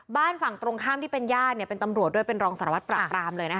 บ้านฝั่งตรงข้ามที่เป็นญาติเป็นตำรวจด้วยเป็นรองสารวัตรปราบรามเลยนะคะ